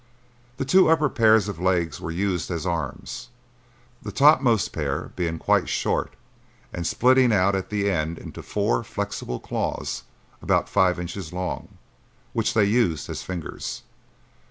The two upper pairs of legs were used as arms, the topmost pair[A] being quite short and splitting out at the end into four flexible claws about five inches long, which they used as fingers.